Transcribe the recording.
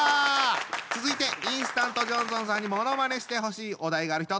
続いてインスタントジョンソンさんにものまねしてほしいお題がある人。